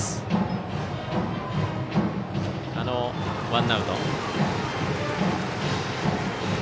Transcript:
ワンアウト。